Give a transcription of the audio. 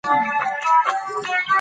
انا غوښتل چې د زړه سکون ومومي.